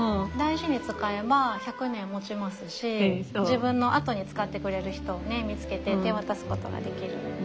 大事に使えば１００年もちますし自分のあとに使ってくれる人をね見つけて手渡すことができる。